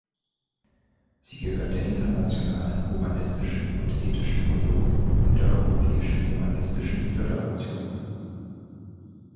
Sie gehört der Internationalen Humanistischen und Ethischen Union und der Europäischen Humanistischen Föderation an.